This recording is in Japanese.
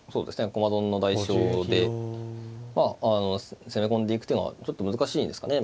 駒損の代償でまああの攻め込んでいく手はちょっと難しいんですかね。